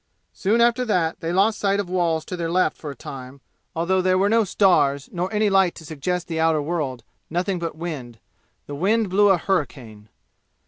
Soon after that they lost sight of walls to their left for a time, although there were no stars, nor any light to suggest the outer world nothing but wind. The wind blew a hurricane.